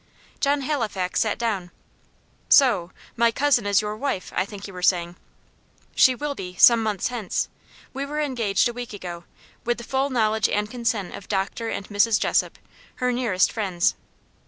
John Halifax sat down. "So my cousin is your wife, I think you were saying?" "She will be, some months hence. We were engaged a week ago, with the full knowledge and consent of Doctor and Mrs. Jessop, her nearest friends."